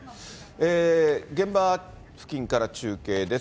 現場付近から中継です。